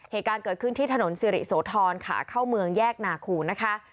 เหตุการณ์เกิดขึ้นที่ถนนสิริโสธรขาเข้าเมืองแยกนาคูนะคะ